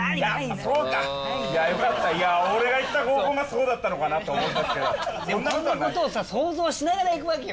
やっぱそうかいやよかったいや俺が行った合コンがそうだったのかなと思ったこんなことをさ想像しながら行くわけよ